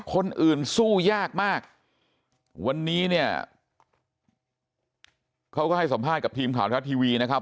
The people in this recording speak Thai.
คนอื่นสู้ยากมากวันนี้เนี่ยเขาก็ให้สัมภาษณ์กับทีมข่าวทรัฐทีวีนะครับ